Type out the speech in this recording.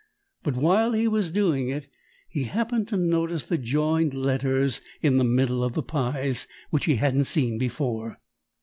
But while he was doing it he happened to notice the joined letters in the middle of the pies, which he hadn't seen before.